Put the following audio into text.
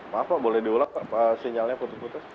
maaf mbak boleh diulang mbak sinyalnya putus putus